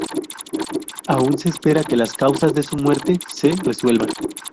Aún se espera que las causas de su muerte se resuelvan.